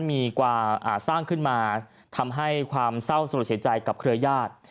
มีกว่าสร้างขึ้นมาทำให้ความเศร้าสลดเสียใจกับเครือญาติ